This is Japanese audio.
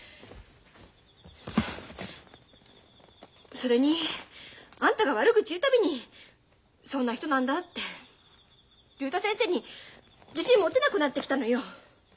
それにあんたが悪口言う度にそんな人なんだって竜太先生に自信持てなくなってきたのよ。